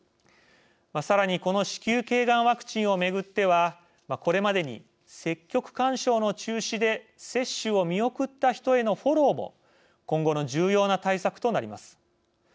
さらにこの子宮けいがんワクチンをめぐってはこれまでに積極勧奨の中止で接種を見送った人へのフォローも今後の重要な対策となります。